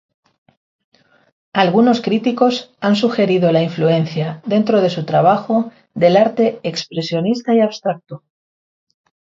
Algunos críticos han sugerido la influencia dentro su trabajo del arte expresionista y abstracto.